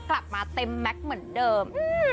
กลับมาเต็มแม็กซ์เหมือนเดิม